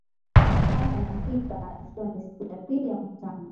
haya yanafanyika ikiwa ni siku ya pili ya mkutano